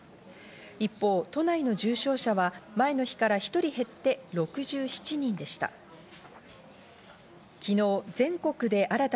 一方、都内の重症者は前の日から１人減って６７人でした。